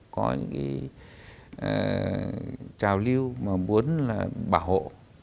có những trào lưu mà muốn bảo hộ